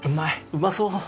うまそう！